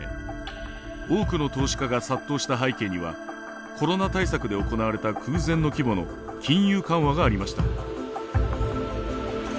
多くの投資家が殺到した背景にはコロナ対策で行われた空前の規模の金融緩和がありました。